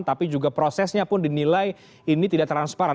tapi juga prosesnya pun dinilai ini tidak transparan